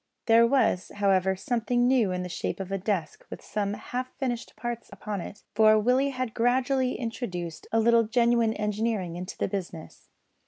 There was, however something new in the shape of a desk with some half finished plans upon it; for Willie had gradually introduced a little genuine engineering into the business.